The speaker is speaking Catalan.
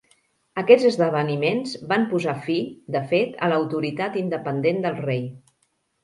Aquests esdeveniments van posar fi, de fet, a l'autoritat independent del rei.